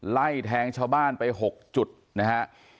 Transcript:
ไล่แทงชาวบ้านไป๖จุดนะฮะ